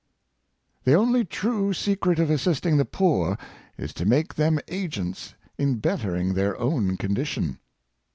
The only true secret of assisting the poor is to make them agents in bet tering their own condition."